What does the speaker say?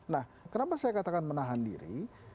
nah kenapa saya katakan menahan diri